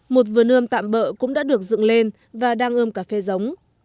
một vườn ươm tạm bỡ cũng đã được dựng lên và đang ươm cà phê giống